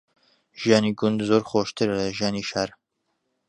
ژیانی گوند زۆر خۆشترە لە ژیانی شار.